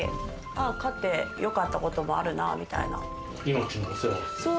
飼ってよかったこともあるなみたいな。